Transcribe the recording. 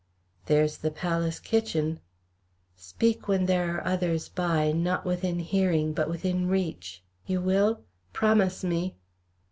"There's the 'Palace' kitchen." "Speak when there are others by, not within hearing, but within reach! You will? Promise me!"